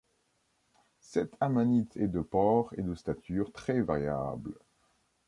Cette amanite est de port et de stature très variables.